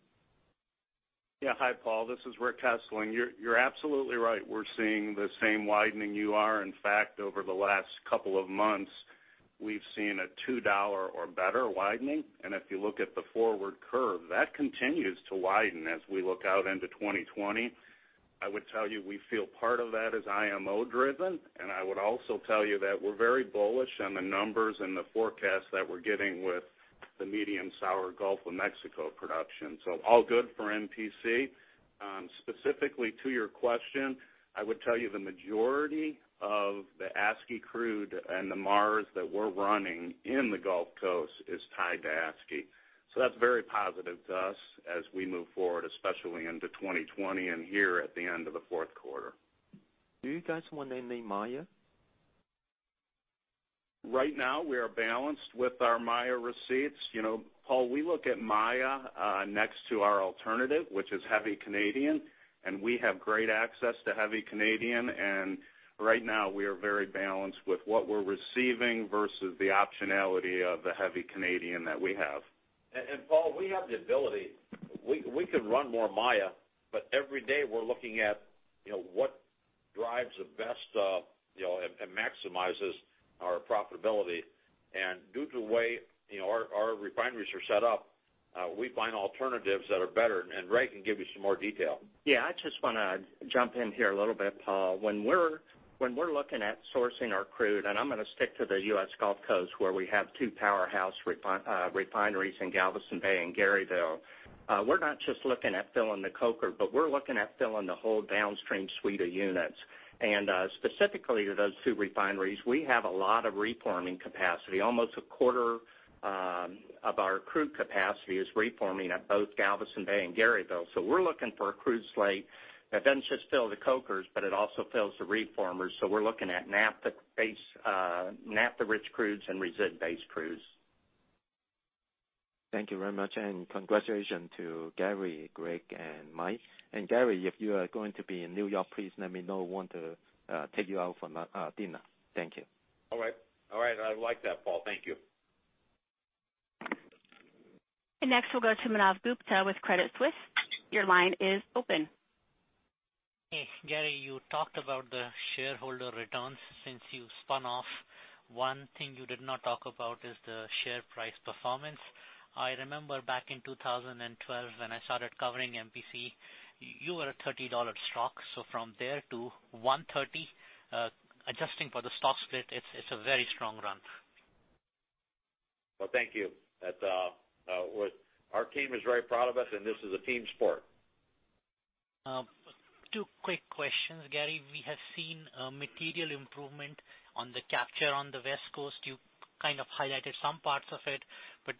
Yeah. Hi, Paul. This is Rick Hessling. You're absolutely right. We're seeing the same widening you are. In fact, over the last couple of months, we've seen a $2 or better widening. If you look at the forward curve, that continues to widen as we look out into 2020. I would tell you we feel part of that is IMO-driven, and I would also tell you that we're very bullish on the numbers and the forecast that we're getting with the medium sour Gulf of Mexico production. All good for MPC. Specifically to your question, I would tell you the majority of the ASCI crude and the Mars that we're running in the Gulf Coast is tied to ASCI. That's very positive to us as we move forward, especially into 2020 and here at the end of the fourth quarter. Do you guys want any Maya? Right now, we are balanced with our Maya receipts. Paul, we look at Maya next to our alternative, which is heavy Canadian, and we have great access to heavy Canadian, and right now we are very balanced with what we're receiving versus the optionality of the heavy Canadian that we have. Paul, we have the ability. We could run more Maya, but every day we're looking at what drives the best and maximizes our profitability. Due to the way our refineries are set up, we find alternatives that are better, and Ray can give you some more detail. Yeah, I just want to jump in here a little bit, Paul. When we're looking at sourcing our crude, and I'm going to stick to the U.S. Gulf Coast where we have two powerhouse refineries in Galveston Bay and Garyville. We're not just looking at filling the coker, but we're looking at filling the whole downstream suite of units. Specifically to those two refineries, we have a lot of reforming capacity. Almost a quarter of our crude capacity is reforming at both Galveston Bay and Garyville. We're looking for a crude slate that doesn't just fill the cokers, but it also fills the reformers. We're looking at naphtha-rich crudes and resid-based crudes. Thank you very much, and congratulations to Gary, Greg, and Mike. Gary, if you are going to be in New York, please let me know. I want to take you out for dinner. Thank you. All right. I would like that, Paul. Thank you. Next, we'll go to Manav Gupta with Credit Suisse. Your line is open. Hey, Gary, you talked about the shareholder returns since you've spun off. One thing you did not talk about is the share price performance. I remember back in 2012 when I started covering MPC, you were a $30 stock. From there to $130, adjusting for the stock split, it's a very strong run. Well, thank you. Our team is very proud of it, and this is a team sport. Two quick questions, Gary. We have seen a material improvement on the capture on the West Coast.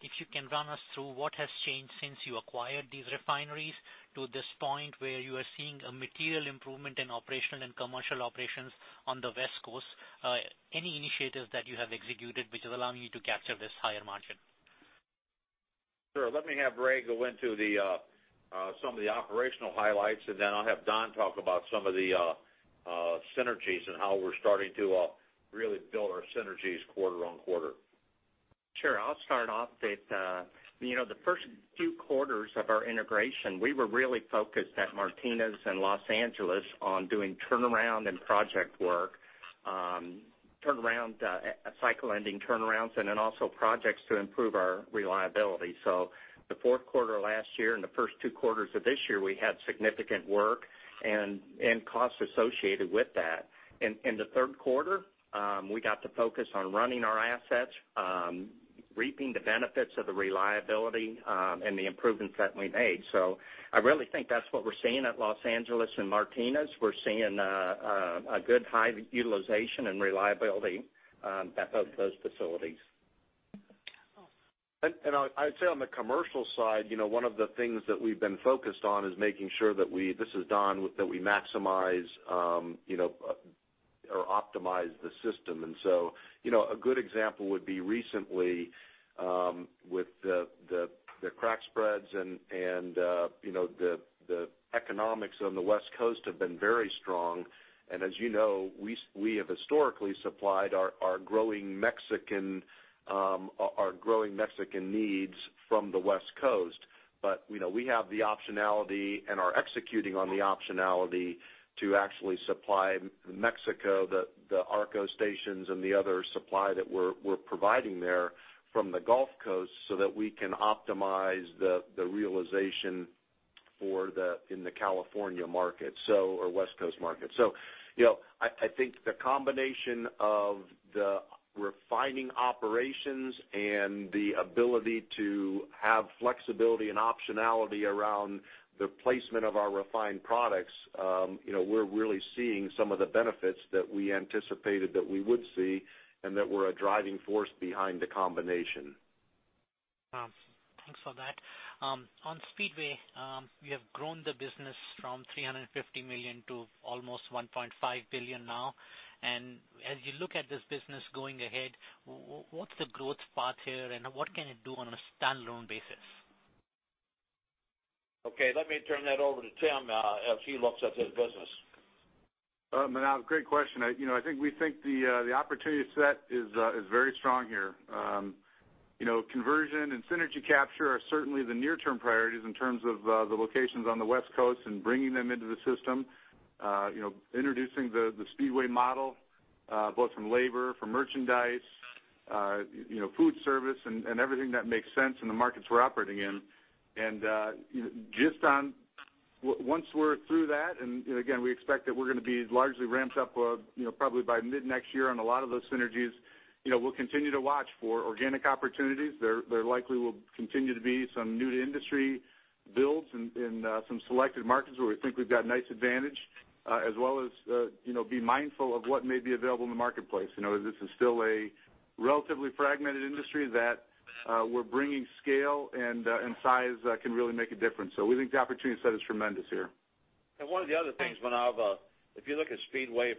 If you can run us through what has changed since you acquired these refineries to this point where you are seeing a material improvement in operational and commercial operations on the West Coast? Any initiatives that you have executed which is allowing you to capture this higher margin? Sure. Let me have Ray go into some of the operational highlights, and then I'll have Don talk about some of the synergies and how we're starting to really build our synergies quarter-on-quarter. Sure. I'll start off that the first two quarters of our integration, we were really focused at Martinez and Los Angeles on doing turnaround and project work. Cycle ending turnarounds and then also projects to improve our reliability. The fourth quarter last year and the first two quarters of this year, we had significant work and cost associated with that. In the third quarter, we got to focus on running our assets, reaping the benefits of the reliability, and the improvements that we made. I really think that's what we're seeing at Los Angeles and Martinez. We're seeing a good high utilization and reliability at both those facilities. I'd say on the commercial side, one of the things that we've been focused on is making sure. This is Don. That we maximize or optimize the system. A good example would be recently, with the crack spreads and the economics on the West Coast have been very strong. As you know, we have historically supplied our growing Mexican needs from the West Coast. We have the optionality and are executing on the optionality to actually supply Mexico, the ARCO stations, and the other supply that we're providing there from the Gulf Coast so that we can optimize the realization in the California market or West Coast market. I think the combination of the refining operations and the ability to have flexibility and optionality around the placement of our refined products. We're really seeing some of the benefits that we anticipated that we would see and that were a driving force behind the combination. Thanks for that. On Speedway, you have grown the business from $350 million to almost $1.5 billion now. As you look at this business going ahead, what's the growth path here, and what can it do on a standalone basis? Okay, let me turn that over to Tim, as he looks after the business. Manav, great question. I think we think the opportunity set is very strong here. Conversion and synergy capture are certainly the near-term priorities in terms of the locations on the West Coast and bringing them into the system. Introducing the Speedway model, both from labor, from merchandise, food service, and everything that makes sense in the markets we're operating in. Once we're through that, again, we expect that we're going to be largely ramped up probably by mid-next year on a lot of those synergies. We'll continue to watch for organic opportunities. There likely will continue to be some new-to-industry builds in some selected markets where we think we've got a nice advantage, as well as be mindful of what may be available in the marketplace. This is still a relatively fragmented industry that we're bringing scale and size can really make a difference. We think the opportunity set is tremendous here. One of the other things, Manav, if you look at Speedway,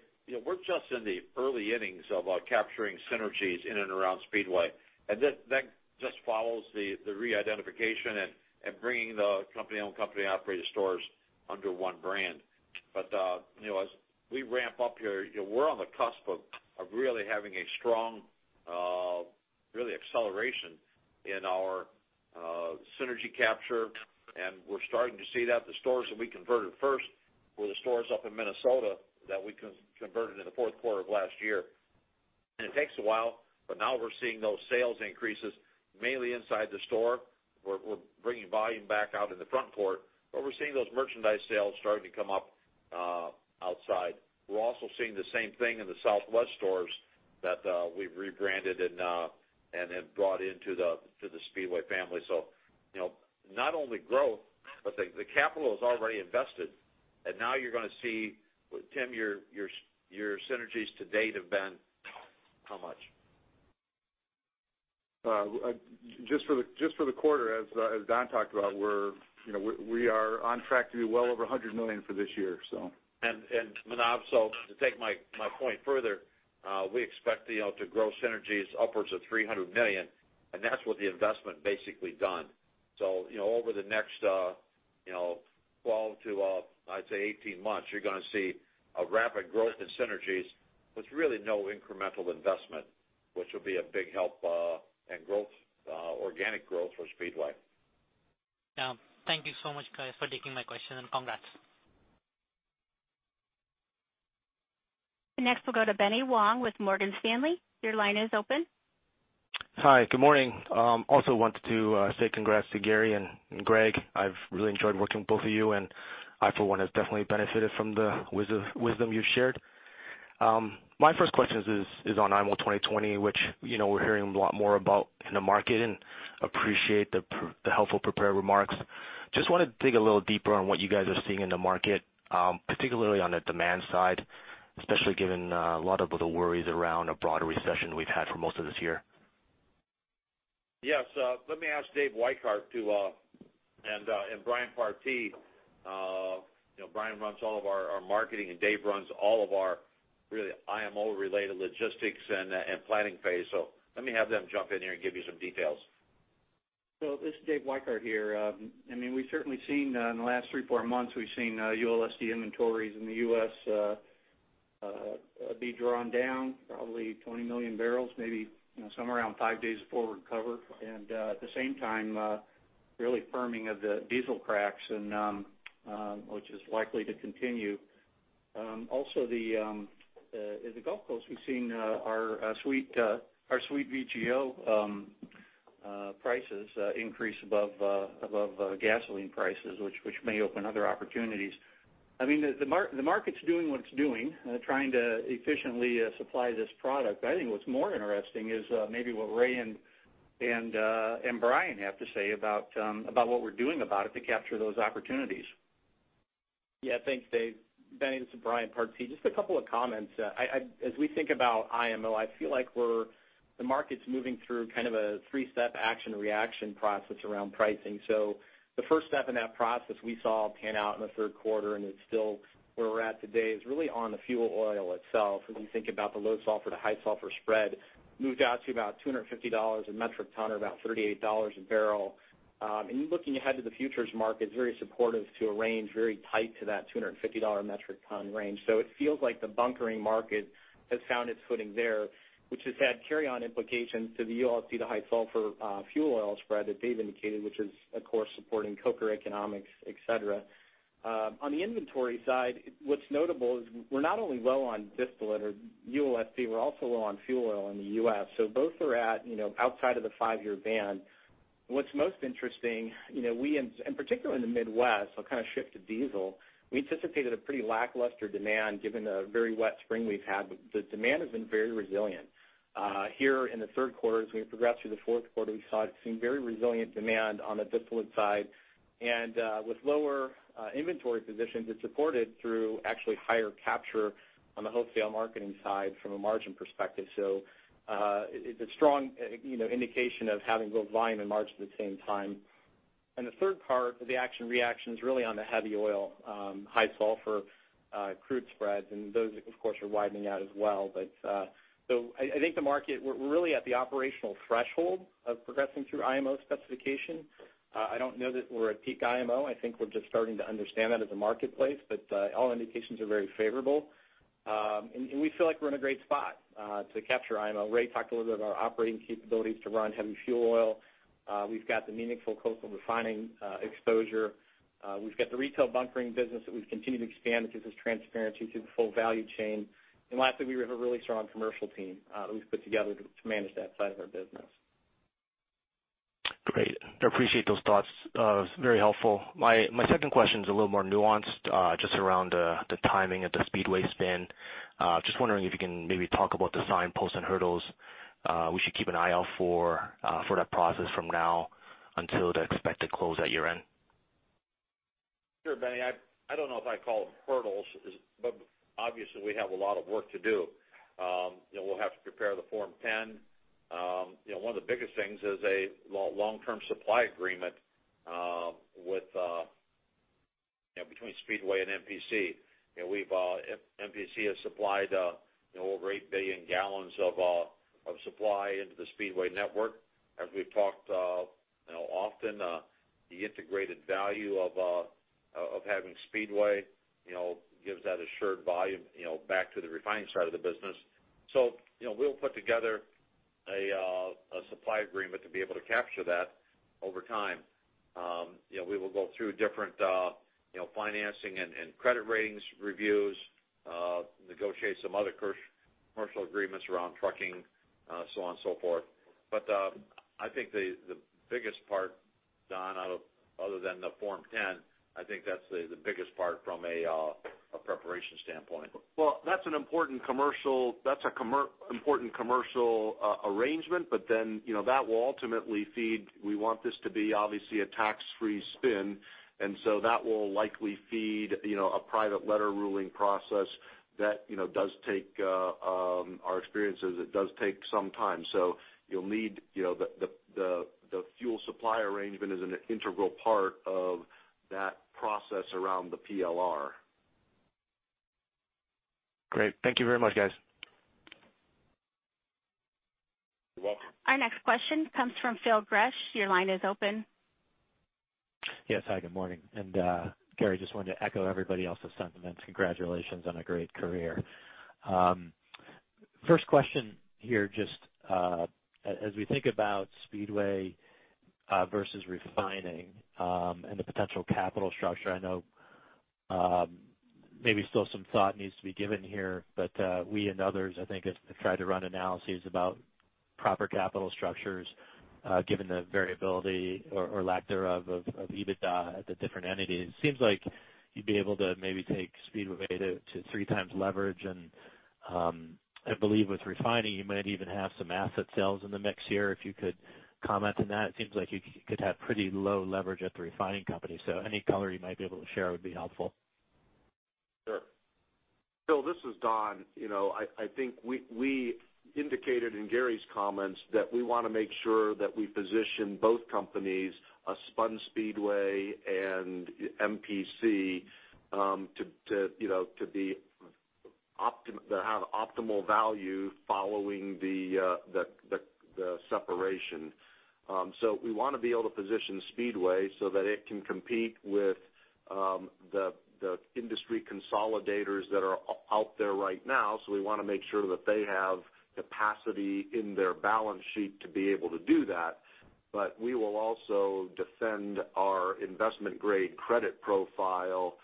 we're just in the early innings of capturing synergies in and around Speedway. That just follows the re-identification and bringing the company-owned, company-operated stores under one brand. As we ramp up here, we're on the cusp of really having a strong acceleration in our synergy capture, and we're starting to see that. The stores that we converted first were the stores up in Minnesota that we converted in the fourth quarter of last year. It takes a while, but now we're seeing those sales increases mainly inside the store. We're bringing volume back out in the front court, but we're seeing those merchandise sales starting to come up outside. We're also seeing the same thing in the Southwest stores that we've rebranded and have brought into the Speedway family. Not only growth, but the capital is already invested, and now you're going to see. Tim, your synergies to date have been how much? Just for the quarter, as Don talked about, we are on track to be well over $100 million for this year. Manav, to take my point further, we expect to grow synergies upwards of $300 million, and that's with the investment basically done. Over the next 12 to, I'd say, 18 months, you're going to see a rapid growth in synergies with really no incremental investment, which will be a big help and organic growth for Speedway. Thank you so much, guys, for taking my question, and congrats. Next, we'll go to Benny Wong with Morgan Stanley. Your line is open. Hi, good morning. Also wanted to say congrats to Gary and Greg. I've really enjoyed working with both of you, and I, for one, have definitely benefited from the wisdom you've shared. My first question is on IMO 2020, which we're hearing a lot more about in the market and appreciate the helpful prepared remarks. Just want to dig a little deeper on what you guys are seeing in the market, particularly on the demand side, especially given a lot of the worries around a broader recession we've had for most of this year. Yes. Let me ask Dave Whikehart and Brian Partee. Brian runs all of our marketing, and Dave runs all of our really IMO-related logistics and planning phase. Let me have them jump in here and give you some details. This is Dave Whikehart here. We've certainly seen, in the last three, four months, we've seen ULSD inventories in the U.S. be drawn down probably 20 million barrels, maybe somewhere around five days of forward cover. At the same time, really firming of the diesel cracks, which is likely to continue. In the Gulf Coast, we've seen our sweet VGO prices increase above gasoline prices, which may open other opportunities. The market's doing what it's doing, trying to efficiently supply this product. I think what's more interesting is maybe what Ray and Brian have to say about what we're doing about it to capture those opportunities. Yeah, thanks, Dave. Benny, this is Brian Partee. Just a couple of comments. As we think about IMO, I feel like the market's moving through kind of a three-step action-reaction process around pricing. The first step in that process we saw pan out in the third quarter, and it's still where we're at today, is really on the fuel oil itself. As you think about the low sulfur to high sulfur spread, moved out to about $250 a metric ton or about $38 a barrel. Looking ahead to the futures market, it's very supportive to a range very tight to that $250 metric ton range. It feels like the bunkering market has found its footing there, which has had carry-on implications to the ULSD, to high sulfur fuel oil spread that Dave indicated, which is, of course, supporting coker economics, et cetera. On the inventory side, what's notable is we're not only low on distillate or ULSD, we're also low on fuel oil in the U.S. Both are outside of the five-year band. What's most interesting, particularly in the Midwest, I'll kind of shift to diesel, we anticipated a pretty lackluster demand given the very wet spring we've had, the demand has been very resilient. Here in the third quarter, as we progress through the fourth quarter, we saw it seemed very resilient demand on the distillate side. With lower inventory positions, it's supported through actually higher capture on the wholesale marketing side from a margin perspective. It's a strong indication of having both volume and margin at the same time. The third part of the action reaction is really on the heavy oil, high sulfur crude spreads, and those, of course, are widening out as well. I think the market, we're really at the operational threshold of progressing through IMO specification. I don't know that we're at peak IMO. I think we're just starting to understand that as a marketplace. All indications are very favorable. We feel like we're in a great spot to capture IMO. Ray talked a little bit about operating capabilities to run heavy fuel oil. We've got the meaningful coastal refining exposure. We've got the retail bunkering business that we've continued to expand, which gives us transparency through the full value chain. Lastly, we have a really strong commercial team that we've put together to manage that side of our business. Great. I appreciate those thoughts. Very helpful. My second question is a little more nuanced, just around the timing of the Speedway spin. Just wondering if you can maybe talk about the signposts and hurdles we should keep an eye out for that process from now until the expected close at year-end. Sure, Benny. I don't know if I'd call them hurdles, but obviously, we have a lot of work to do. We'll have to prepare the Form 10. One of the biggest things is a long-term supply agreement between Speedway and MPC. MPC has supplied over 8 billion gallons of supply into the Speedway network. As we've talked often, the integrated value of having Speedway gives that assured volume back to the refining side of the business. We'll put together a supply agreement to be able to capture that over time. We will go through different financing and credit ratings reviews, negotiate some other commercial agreements around trucking, so on and so forth. I think the biggest part, Don, other than the Form 10, I think that's the biggest part from a preparation standpoint. That's an important commercial arrangement, that will ultimately feed. We want this to be, obviously, a tax-free spin. That will likely feed a private letter ruling process that, our experience is it does take some time. You'll need the fuel supply arrangement as an integral part of that process around the PLR. Great. Thank you very much, guys. You're welcome. Our next question comes from Phil Gresh. Your line is open. Yes. Hi, good morning. Gary, just wanted to echo everybody else's sentiments. Congratulations on a great career. First question here, just as we think about Speedway versus refining and the potential capital structure, I know maybe still some thought needs to be given here, but we and others, I think, have tried to run analyses about proper capital structures given the variability or lack thereof of EBITDA at the different entities. It seems like you'd be able to maybe take Speedway to 3 times leverage and I believe with refining, you might even have some asset sales in the mix here, if you could comment on that. It seems like you could have pretty low leverage at the refining company. Any color you might be able to share would be helpful. Sure. Phil, this is Don. I think we indicated in Gary's comments that we want to make sure that we position both companies, a spun Speedway and MPC, to have optimal value following the separation. We want to be able to position Speedway so that it can compete with the industry consolidators that are out there right now. We want to make sure that they have capacity in their balance sheet to be able to do that. We will also defend our investment-grade credit profile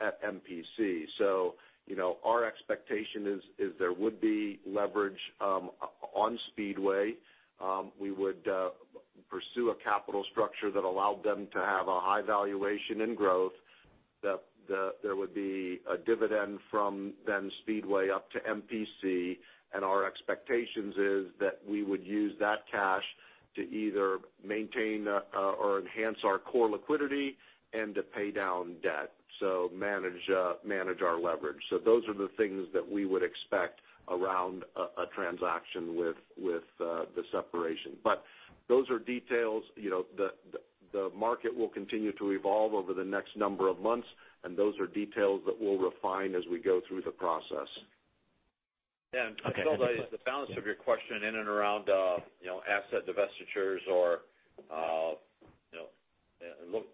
at MPC. Our expectation is there would be leverage on Speedway. We would pursue a capital structure that allowed them to have a high valuation and growth, that there would be a dividend from then Speedway up to MPC, and our expectations is that we would use that cash to either maintain or enhance our core liquidity and to pay down debt. Manage our leverage. Those are the things that we would expect around a transaction with the separation. Those are details. The market will continue to evolve over the next number of months, and those are details that we'll refine as we go through the process. Phil, the balance of your question in and around asset divestitures or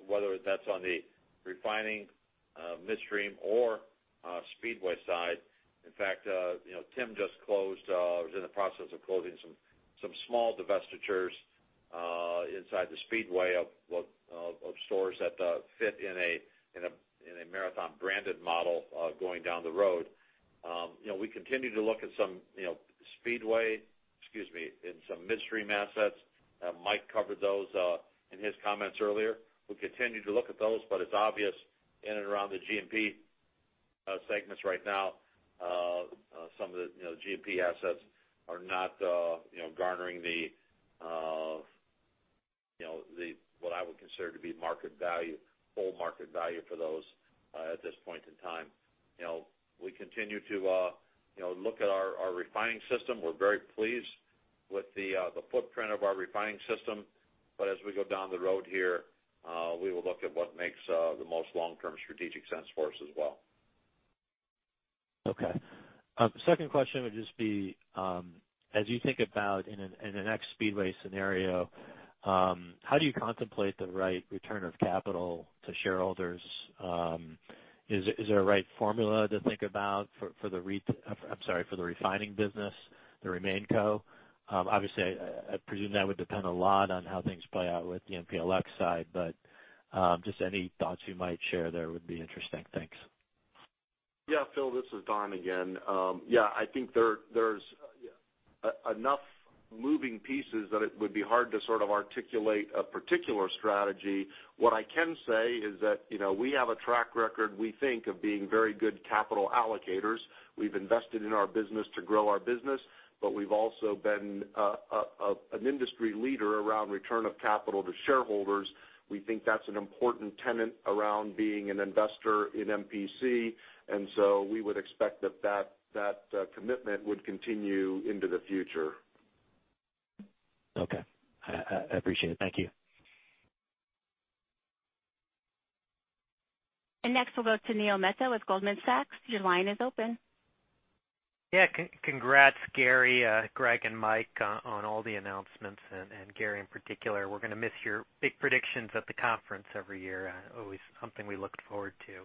whether that's on the refining midstream or Speedway side. In fact, Tim just closed or is in the process of closing some small divestitures inside the Speedway of stores that fit in a Marathon branded model going down the road. We continue to look at some Speedway, excuse me, in some midstream assets. Mike covered those in his comments earlier. We'll continue to look at those, but it's obvious in and around the G&P segments right now, some of the G&P assets are not garnering what I would consider to be market value, full market value for those at this point in time. We continue to look at our refining system. We're very pleased with the footprint of our refining system. As we go down the road here, we will look at what makes the most long-term strategic sense for us as well. Okay. Second question would just be, as you think about in the next Speedway scenario, how do you contemplate the right return of capital to shareholders? Is there a right formula to think about for the refining business, the RemainCo? Obviously, I presume that would depend a lot on how things play out with the MPLX side, but just any thoughts you might share there would be interesting. Thanks. Yeah, Phil, this is Don again. Yeah, I think there's enough moving pieces that it would be hard to articulate a particular strategy. What I can say is that we have a track record, we think, of being very good capital allocators. We've invested in our business to grow our business, but we've also been an industry leader around return of capital to shareholders. We think that's an important tenet around being an investor in MPC, and so we would expect that that commitment would continue into the future. Okay. I appreciate it. Thank you. Next, we'll go to Neil Mehta with Goldman Sachs. Your line is open. Yeah. Congrats, Gary, Greg, and Mike on all the announcements, and Gary in particular. We're going to miss your big predictions at the conference every year. Always something we looked forward to.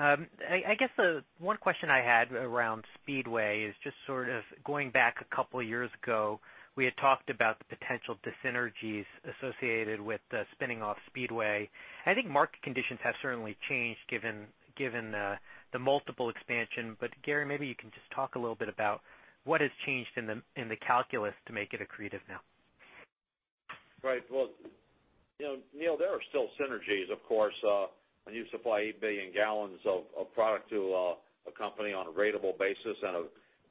I guess the one question I had around Speedway is just sort of going back a couple years ago, we had talked about the potential dyssynergies associated with the spinning off Speedway. I think market conditions have certainly changed given the multiple expansion. Gary, maybe you can just talk a little bit about what has changed in the calculus to make it accretive now. Right. Well, Neil, there are still synergies, of course. When you supply 8 billion gallons of product to a company on a ratable basis,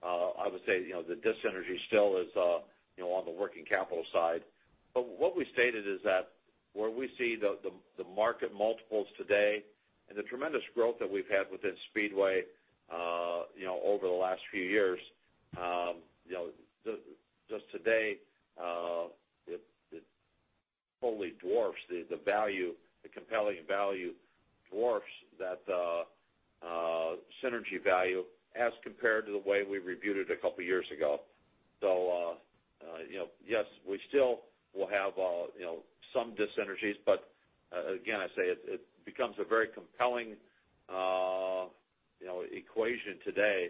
I would say, the dyssynergy still is on the working capital side. What we stated is that where we see the market multiples today and the tremendous growth that we've had within Speedway over the last few years, just today, it totally dwarfs the value, the compelling value dwarfs that synergy value as compared to the way we reviewed it a couple years ago. Yes, we still will have some dyssynergies, again, I say it becomes a very compelling equation today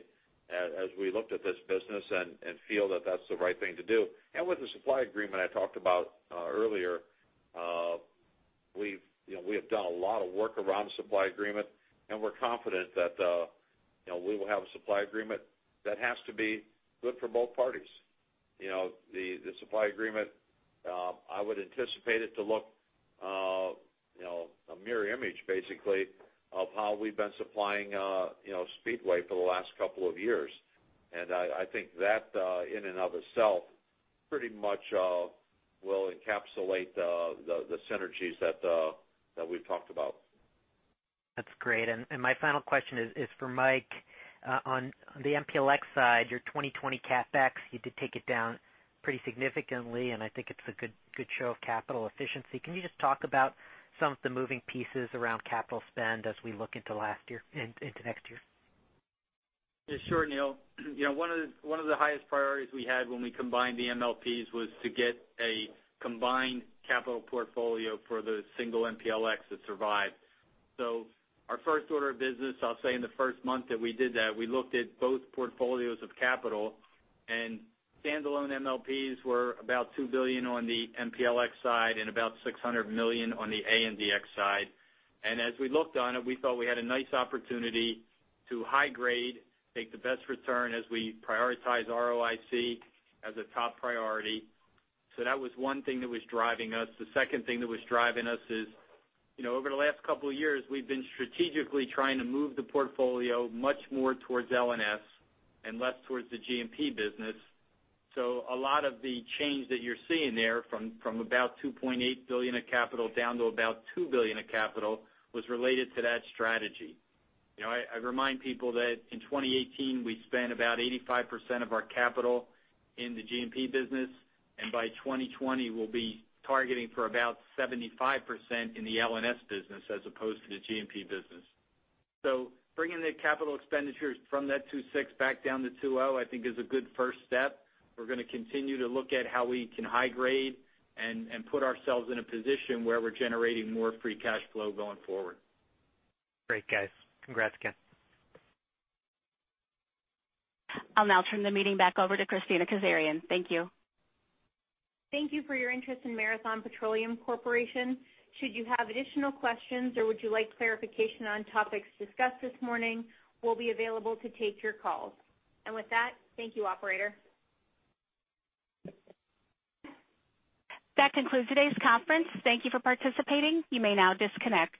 as we looked at this business and feel that that's the right thing to do. With the supply agreement I talked about earlier, we have done a lot of work around the supply agreement, and we're confident that we will have a supply agreement that has to be good for both parties. The supply agreement, I would anticipate it to look a mirror image, basically, of how we've been supplying Speedway for the last couple of years. I think that, in and of itself, pretty much will encapsulate the synergies that we've talked about. That's great. My final question is for Mike. On the MPLX side, your 2020 CapEx, you did take it down pretty significantly, and I think it's a good show of capital efficiency. Can you just talk about some of the moving pieces around capital spend as we look into next year? Yeah, sure, Neil. One of the highest priorities we had when we combined the MLPs was to get a combined capital portfolio for the single MPLX that survived. Our first order of business, I'll say in the first month that we did that, we looked at both portfolios of capital, and standalone MLPs were about $2 billion on the MPLX side and about $600 million on the ANDX side. As we looked on it, we thought we had a nice opportunity to high grade, take the best return as we prioritize ROIC as a top priority. That was one thing that was driving us. The second thing that was driving us is, over the last couple of years, we've been strategically trying to move the portfolio much more towards L&S and less towards the G&P business. A lot of the change that you're seeing there from about $2.8 billion of capital down to about $2 billion of capital was related to that strategy. I remind people that in 2018, we spent about 85% of our capital in the G&P business, and by 2020, we'll be targeting for about 75% in the L&S business as opposed to the G&P business. Bringing the capital expenditures from that $2.6 billion back down to $2.0 billion, I think is a good first step. We're going to continue to look at how we can high grade and put ourselves in a position where we're generating more free cash flow going forward. Great, guys. Congrats again. I'll now turn the meeting back over to Kristina Kazarian. Thank you. Thank you for your interest in Marathon Petroleum Corporation. Should you have additional questions or would you like clarification on topics discussed this morning, we'll be available to take your calls. With that, thank you, Operator. That concludes today's conference. Thank you for participating. You may now disconnect.